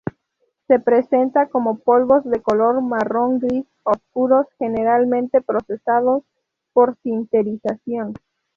Se presenta como polvos de color marrón gris oscuros generalmente procesados por sinterización.